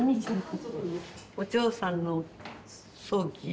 お嬢さんの葬儀。